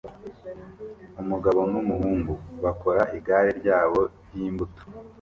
Umugabo n'umuhungu bakora igare ryabo ryimbuto